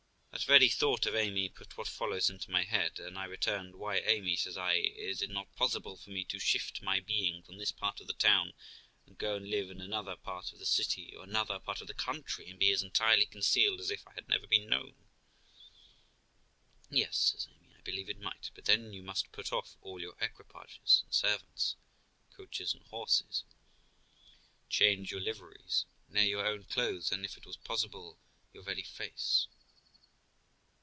That very thought of Amy put what follows into my head, and I returned, ' Why, Amy ', says I, ' is it not possible for me to shift my being from this part of the town and go and live in another part of the city, or another part of the country, and be as entirely concealed as if I had never been known?' 'Yes', says Amy, 'I believe it might; but then you must put off all your equipages and servants, coaches and horses, change your liveries nay, your own clothes, and, if it was possible, your very face.'